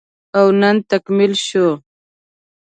او نن تکميل شو